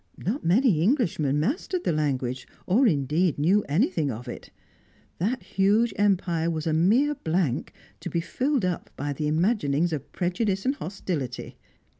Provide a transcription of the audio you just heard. Not many Englishmen mastered the language, or indeed knew anything of it; that huge empire was a mere blank to be filled up by the imaginings of prejudice and hostility.